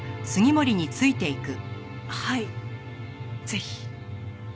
はいぜひ。